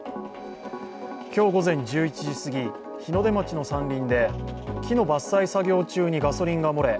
今日午前１１時過ぎ、日の出町の山林で、木の伐採作業中にガソリンが漏れ